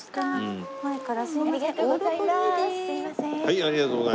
ありがとうございます。